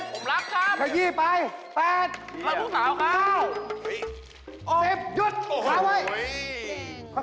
หยุดขาไว้